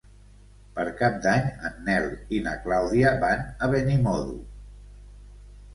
Per Cap d'Any en Nel i na Clàudia van a Benimodo.